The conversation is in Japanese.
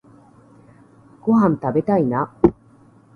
ごはんたべたいな